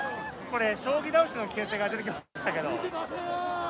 これ将棋倒しの危険性が出てきましたけど。